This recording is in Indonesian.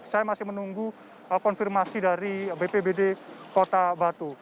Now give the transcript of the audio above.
saya masih menunggu konfirmasi dari bpbd kota batu